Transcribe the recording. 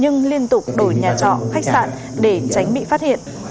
nhưng liên tục đổi nhà trọ khách sạn để tránh bị phát hiện